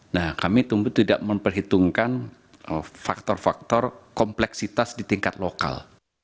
nah kami tentu tidak memperhitungkan faktor faktor kompleksitas di tingkat lokal